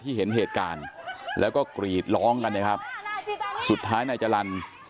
เห็นเหตุการณ์แล้วก็กรีดร้องกันนะครับสุดท้ายนายจรรย์